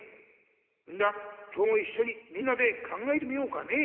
んじゃ今日もいっしょにみんなで考えてみようかね？